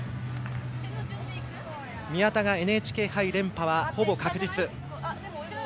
宮田がＮＨＫ杯連覇はほぼ確実。